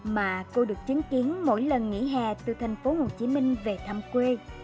mà cô được chứng kiến mỗi lần nghỉ hè từ thành phố hồ chí minh về thăm quê